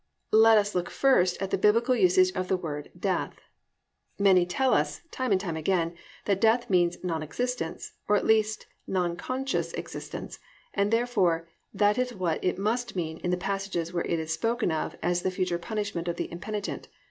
1. Let us look first at the biblical usage of the word "Death." Many tell us, time and time again, that death means non existence, or at least non conscious existence, and therefore that is what it must mean in the passages where it is spoken of as the future punishment of the impenitent.